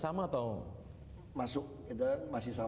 saya nggak mau jelasin